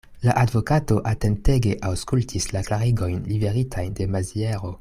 La advokato atentege aŭskultis la klarigojn liveritajn de Maziero.